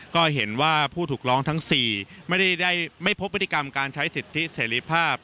ก็เห็นว่าผู้ถูกร้องทั้ง๔ไม่ได้ไม่พบพฤติกรรมการใช้สิทธิเสรีภาพ